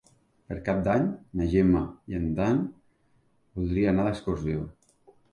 Per Cap d'Any na Gemma i en Dan voldria anar d'excursió.